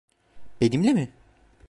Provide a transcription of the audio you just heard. Benimle mi?